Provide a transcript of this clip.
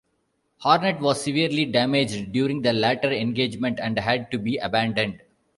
"Hornet" was severely damaged during the latter engagement and had to be abandoned.